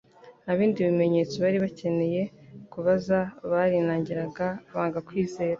nta bindi bimenyetso bari bakeneye kubaza barinangira banga kwizera.